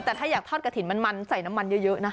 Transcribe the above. แต่ถ้าอยากทอดกระถิ่นมันใส่น้ำมันเยอะนะ